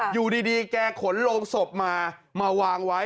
อยู่ดีแกขนโรงศพมามาวางไว้